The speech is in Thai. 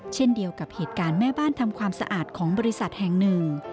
เช่นเดียวกับเหตุการณ์แม่บ้านทำความสะอาดของบริษัทแห่งหนึ่ง